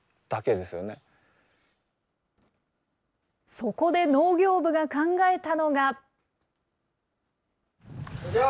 そこで農業部が考えたのが。